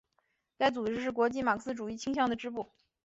该组织是国际马克思主义倾向的支部。